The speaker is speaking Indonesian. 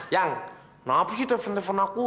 yang maaf sih telepon telepon aku